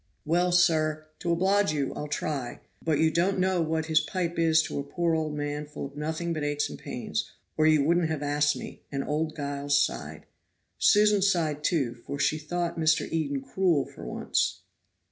"Well, sir, to oblige you, I'll try; but you don't know what his pipe is to a poor old man full of nothing but aches and pains, or you wouldn't have asked me," and old Giles sighed. Susan sighed, too, for she thought Mr. Eden cruel for once.